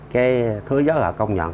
cái thứ giới họ công nhận